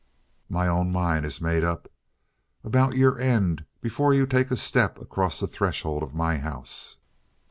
"My own mind is made up about your end before you take a step across the threshold of my house.